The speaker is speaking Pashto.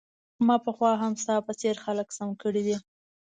ما پخوا هم ستا په څیر خلک سم کړي دي